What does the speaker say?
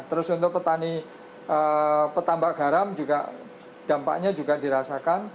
terus untuk petani petambak garam juga dampaknya juga dirasakan